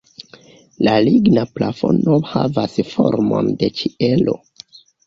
La ligna plafono havas formon de ĉielo.